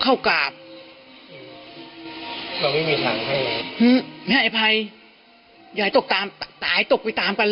เข้ากราบไม่มีทางให้ให้ไอ้ภัยอยากตกตายตกไปตามกัน